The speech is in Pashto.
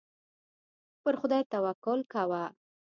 پر خدای توکل کوه.